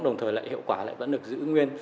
đồng thời hiệu quả lại tốt hơn